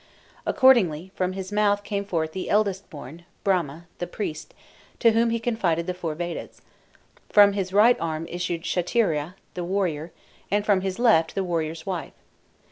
Accordingly from his mouth came forth the eldest born, Brahma (the priest), to whom he confided the four Vedas; from his right arm issued Shatriya (the warrior), and from his left, the warrior's wife.